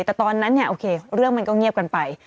แต่ตอนนั้นเนี่ยโอเคเรื่องมันก็เงียบกันไป